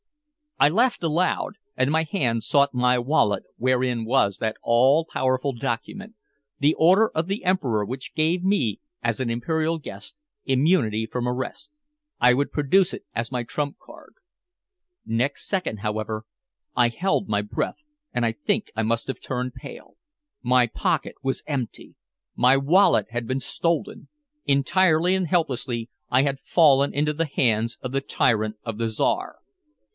I laughed aloud, and my hand sought my wallet wherein was that all powerful document the order of the Emperor which gave me, as an imperial guest, immunity from arrest. I would produce it as my trump card. Next second, however, I held my breath, and I think I must have turned pale. My pocket was empty! My wallet had been stolen! Entirely and helplessly I had fallen into the hands of the tyrant of the Czar.